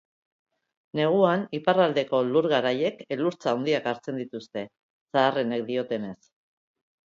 Neguan iparraldeko lur garaiek elurtza handiak hartzen dituzte, zaharrenek diotenez.